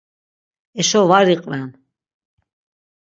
Eşo var iqven.